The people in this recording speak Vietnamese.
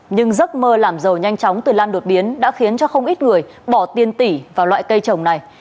nhưng giấc mơ làm giàu nhanh chóng từ lan đột biến đã khiến cho không ít người bỏ tiền tỷ vào loại cây trồng này